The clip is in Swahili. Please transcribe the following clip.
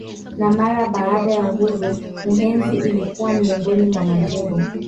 Na mara baada ya uhuru Muheza ilikuwa miongoni mwa majimbo.